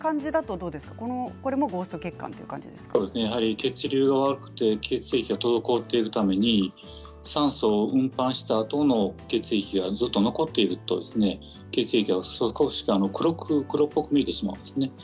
血流が悪くて血液が滞っているために酸素を運搬したあとの血液がずっと残っていると血液が黒っぽく見えてしまうんですね。